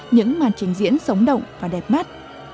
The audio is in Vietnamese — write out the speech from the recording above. những màn trình diễn sống động và đẹp mắt